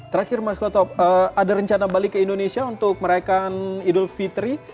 terakhir mas gotop ada rencana balik ke indonesia untuk merayakan idul fitri